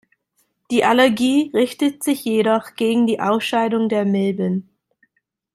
Die Allergie richtet sich jedoch gegen die Ausscheidungen der Milben.